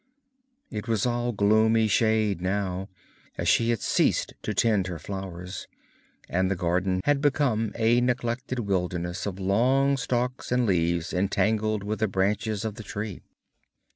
It was all in gloomy shade now, as she had ceased to tend her flowers, and the garden had become a neglected wilderness of long stalks and leaves entangled with the branches of the tree.